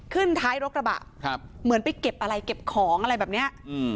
ขึ้นท้ายรถกระบะครับเหมือนไปเก็บอะไรเก็บของอะไรแบบเนี้ยอืม